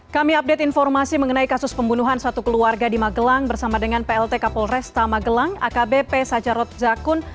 kami update informasi mengenai kasus pembunuhan satu keluarga di magelang bersama dengan plt kapolresta magelang akbp sajarot zakun